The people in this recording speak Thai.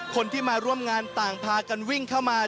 คนที่มาร่วมงานต่างพากันวิ่งเข้ามา